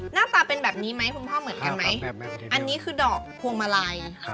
หน้าตาเป็นแบบนี้ไหมคุณพ่อเหมือนกันไหมอันนี้คือดอกพวงมาลัย